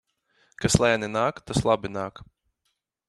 Kas lēni nāk, tas labi nāk.